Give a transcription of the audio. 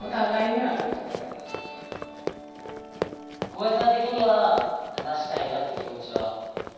浩平さん的には話したいなって気持ちは。